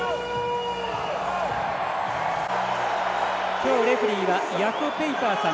今日、レフリーはヤコ・ペイパーさん。